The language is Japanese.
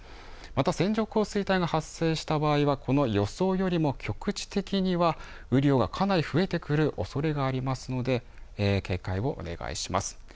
また線状降水帯が発生した場合はこの予想よりも局地的には雨量がかなり増えてくるおそれがありますので警戒をお願いします。